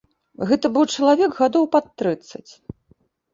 Гэта быў чалавек гадоў пад трыццаць.